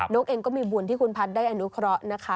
กเองก็มีบุญที่คุณพัฒน์ได้อนุเคราะห์นะคะ